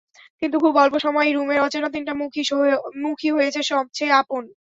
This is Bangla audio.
কিন্তু খুব অল্প সময়েই রুমের অচেনা তিনটা মুখই হয়েছে সবচেয়ে আপন।